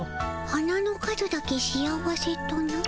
花の数だけ幸せとな。